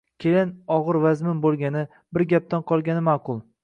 Kelin og‘ir-vazmin bo‘lgani, bir gapdan qolgani ma’qul.